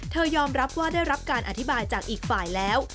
ยอมรับว่าได้รับการอธิบายจากอีกฝ่ายแล้ว